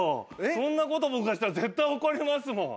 そんなこと僕がしたら絶対怒りますもん。